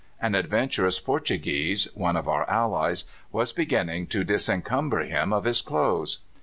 An adventurous Portuguese one of our allies was beginning to disencumber him of his clothes.